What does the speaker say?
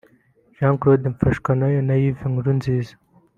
Jean Claude Mfashwanayo na Yves Nkurunziza